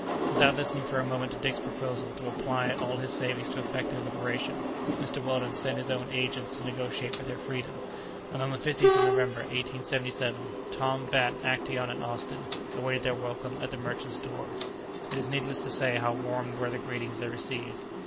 Without listening for a moment to Dick's proposal to apply all his savings to effect their liberation, Mr. Weldon set his own agents to negotiate for their freedom, and on the 15th of November, 1877, Tom, Bat, Actæon, and Austin awaited their welcome at the merchant's door. It is needless to say how warm were the greetings they received.